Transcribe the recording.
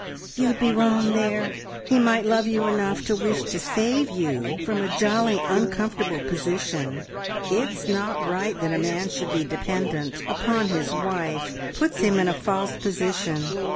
"You'd be wrong there. He might love you enough to wish to save you from a jolly uncomfortable position. It's not right that a man should be dependent upon his wife. Puts him in a false position."